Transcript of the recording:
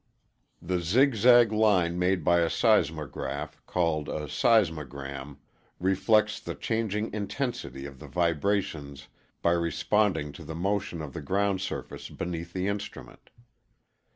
The zig zag line made by a seismograph, called a ŌĆ£seismogram, ŌĆØ reflects the changing intensity of the vibrations by responding to the motion of the ground surface beneath the instrument.